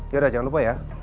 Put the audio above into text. yaudah jangan lupa ya